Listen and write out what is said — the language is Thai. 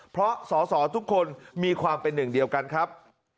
เพราะสอสอทุกคนมีความเป็นหนึ่งเดียวกันครับ